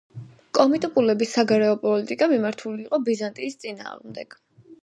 კომიტოპულების საგარეო პოლიტიკა მიმართული იყო ბიზანტიის წინააღმდეგ.